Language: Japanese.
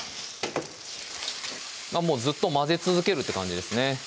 もうずっと混ぜ続けるって感じですね